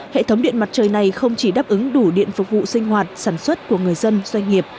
hệ thống điện mặt trời này không chỉ đáp ứng đủ điện phục vụ sinh hoạt sản xuất của người dân doanh nghiệp